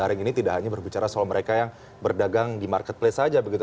ini tidak hanya berbicara soal mereka yang berdagang di marketplace saja begitu